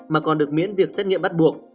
mà còn được miễn việc xét nghiệm bắt buộc